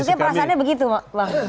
maksudnya perasaannya begitu bang